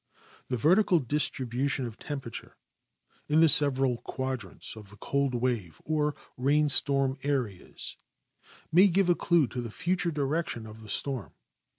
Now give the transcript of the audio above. The vertical distribution of temperature in the several quadrants of the cold wave or rainstorm areas may give a clue to the future direction of the storm.